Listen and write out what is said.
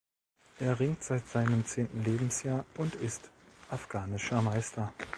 Er ringt seit seinem zehnten Lebensjahr und ist afghanischer Meister.